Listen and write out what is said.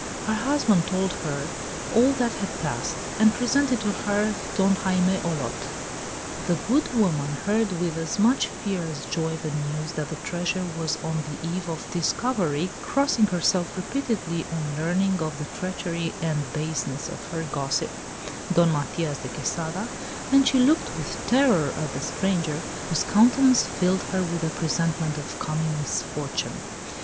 Her husband told her all that had passed, and presented to her Don Jaime Olot. The good woman heard with as much fear as joy the news that the treasure was on the eve of discovery, crossing herself repeatedly on learning of the treachery and baseness of her gossip, Don Matias de Quesada, and she looked with terror at the stranger, whose countenance filled her with a presentiment of coming misfortune.